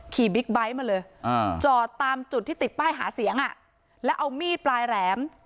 บิ๊กไบท์มาเลยจอดตามจุดที่ติดป้ายหาเสียงอ่ะแล้วเอามีดปลายแหลม